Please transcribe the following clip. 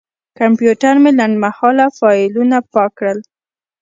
کمپیوټر مې لنډمهاله فایلونه پاک کړل.